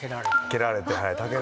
蹴られて。